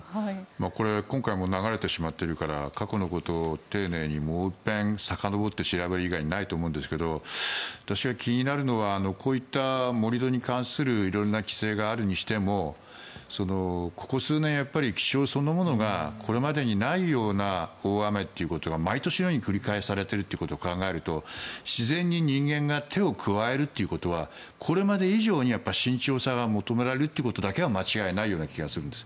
これは今回もう流れてしまっているから過去のことを丁寧にもう一遍さかのぼって調べる以外にないと思うんですけど私が気になるのはこういった盛り土に関する色んな規制があるにしてもここ数年、気象そのものがこれまでにないような大雨ということが毎年のように繰り返されていると考えると自然に人間が手を加えるということはこれまで以上に慎重さは求められるということだけは間違いないような気はするんです。